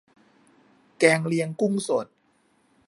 แกงเลียงกุ้งสด